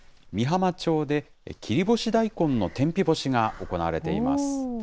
御浜町で切り干し大根の天日干しが行われています。